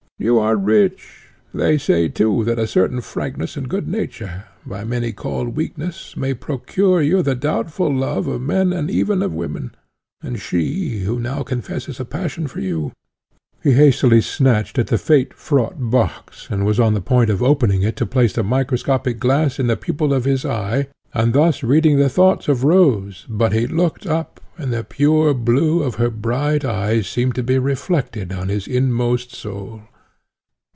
You are rich; they say too that a certain frankness and good nature, by many called weakness, may procure you the doubtful love of men and even of women, and she, who now confesses a passion for you," He hastily snatched at the fate fraught box, and was on the point of opening it to place the microscopic glass in the pupil of his eye, and thus reading the thoughts of Rose, but he looked up, and the pure blue of her bright eyes seemed to be reflected on his inmost soul.